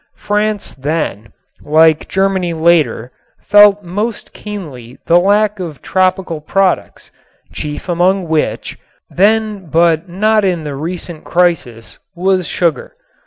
France then, like Germany later, felt most keenly the lack of tropical products, chief among which, then but not in the recent crisis, was sugar.